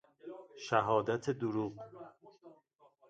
شهادت دروغ